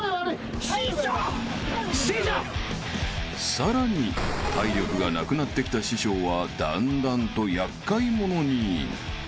［さらに体力がなくなってきた師匠はだんだんと厄介者に］